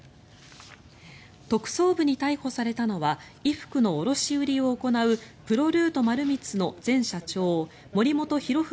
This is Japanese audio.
特捜部に逮捕されたのは衣服の卸売りを行うプロルート丸光の前社長森本裕文